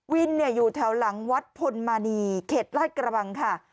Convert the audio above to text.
วินเนี่ยอยู่แถวหลังวัดพลมานีเข็ดลาดกระบังค่ะ